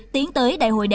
tiến tới đại hội đại biểu